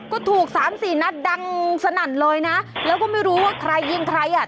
ก็ถูกสามสี่นัดดังสนั่นเลยนะแล้วก็ไม่รู้ว่าใครยิงใครอ่ะ